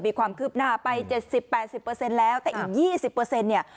มีความคืบหน้าไป๗๐๘๐เปอร์เซ็นต์แล้วแต่อีก๒๐เปอร์เซ็นต์เนี่ย